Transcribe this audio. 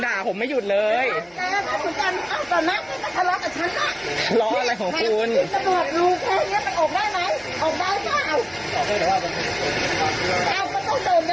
เราบอกว่าอาทรัพยาปัฏจัยใจจริงเราไม่ยอดจอดตรงนี้